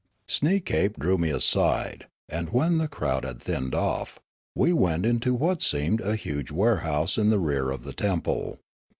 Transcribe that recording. Siieekape drew me aside, and, when the crowd had thinned off, we went into what seemed a huge ware house in the rear of the temple.